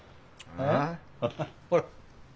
ああ。